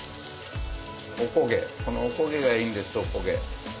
このおこげがいいんですおこげ。